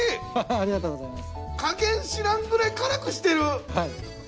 ありがとうございます。